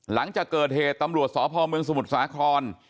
หลังจากเกิดเหตุตำรวจสพเมืองสมุทรสาคร